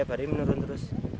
hari hari menurun terus